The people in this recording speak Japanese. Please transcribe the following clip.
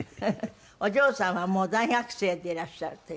お嬢さんはもう大学生でいらっしゃるという事で。